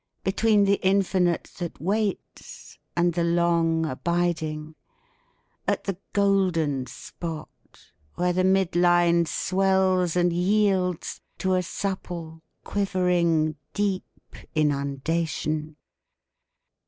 42 between the infinite that waits and the long abiding, at the golden spot, where the mid line swells and yields to a supple, quivering, deep inundation.